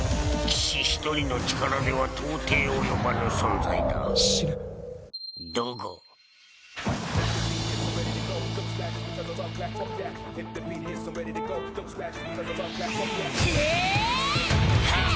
騎士一人の力では到底及ばぬ存在だだがんん！